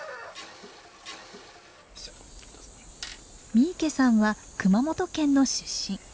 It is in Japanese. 三池さんは熊本県の出身。